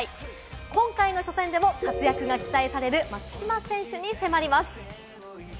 今回の初戦でも活躍が期待される松島選手に迫ります。